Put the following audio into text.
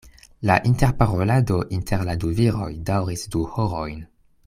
La interparolado inter la du viroj daŭris du horojn.